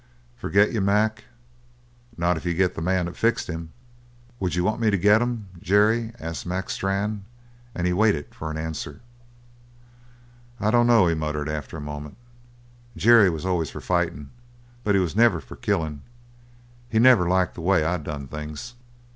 "Forget you, Mac? Not if you get the man that fixed him." "Would you want me to get him, Jerry?" asked Mac Strann. And he waited for an answer. "I dunno," he muttered, after a moment. "Jerry was always for fightin', but he wasn't never for killin'. He never liked the way I done things.